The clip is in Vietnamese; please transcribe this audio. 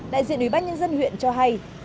đại diện ủy ban nhân dân huyện cho hay